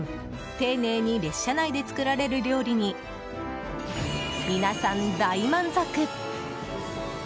丁寧に列車内で作られる料理に皆さん大満足！